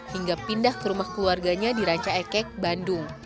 hingga pindah ke rumah keluarganya di ranca ekek bandung